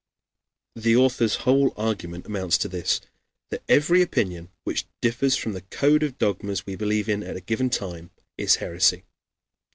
"] The author's whole argument amounts to this: that every opinion which differs from the code of dogmas we believe in at a given time, is heresy.